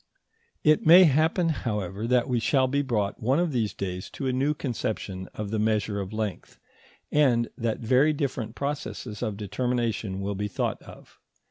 It may happen, however, that we shall be brought one of these days to a new conception of the measure of length, and that very different processes of determination will be thought of.